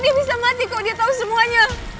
dia bisa mati kalau dia tau semuanya